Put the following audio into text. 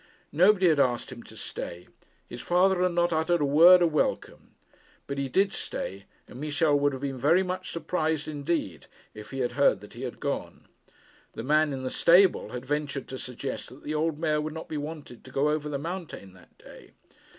Nobody had asked him to stay. His father had not uttered a word of welcome. But he did stay, and Michel would have been very much surprised indeed if he had heard that he had gone. The man in the stable had ventured to suggest that the old mare would not be wanted to go over the mountain that day.